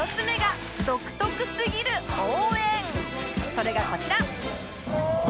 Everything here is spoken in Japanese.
それがこちら